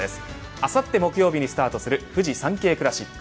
あさって木曜日にスタートするフジサンケイクラシック。